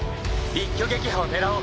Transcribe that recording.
一挙撃破を狙おう。